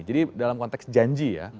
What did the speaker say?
jadi dalam konteks janji ya